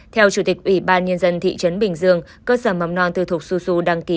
theo chủ tịch ủy ban nhân dân thị trấn bình dương cơ sở mầm non từ thuộc xu xu đăng ký